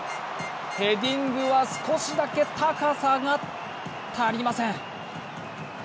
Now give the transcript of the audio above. ヘディングは少しだけ高さが足りません。